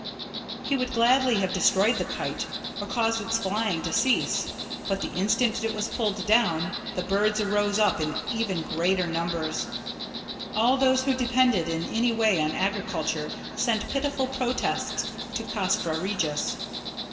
He would gladly have destroyed the kite, or caused its flying to cease; but the instant it was pulled down, the birds rose up in even greater numbers; all those who depended in any way on agriculture sent pitiful protests to Castra Regis.